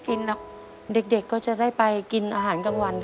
อเรนนี่ต้องมีวัคซีนตัวหนึ่งเพื่อที่จะช่วยดูแลพวกม้ามและก็ระบบในร่างกาย